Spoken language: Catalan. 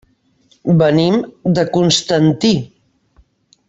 Venim de Constantí.